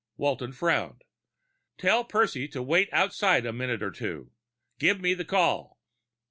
Walton frowned. "Tell Percy to wait outside a minute or two. Give me the call."